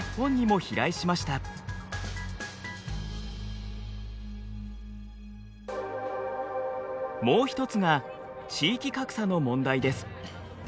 もう一つが地域格差の問題です。